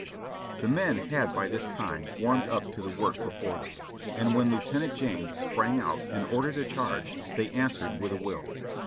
The men had by this time warmed up to the work before them, and when Lieutenant James sprang out and ordered a charge they answered with a will.